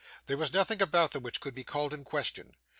There was nothing about them which could be called in question.